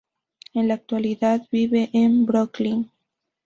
En la actualidad vive en Brooklyn.